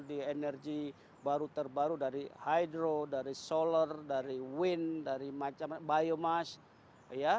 di energi baru baru dari hydro dari solar dari wind dari macam biomas ya